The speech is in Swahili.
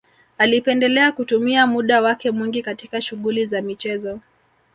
Alipendelea kutumia muda wake mwingi katika shughuli za michezo